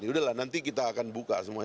udahlah nanti kita akan buka semuanya